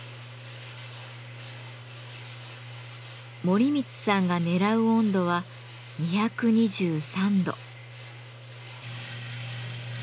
森光さんが狙う温度は２２３度。